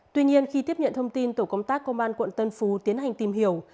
tuy nhiên khi tiếp nhận thông tin tổ công tác công an quận tân phú tiến hành tìm hiểu